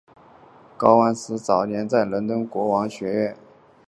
高万斯早年在伦敦国王学院附属医院学医。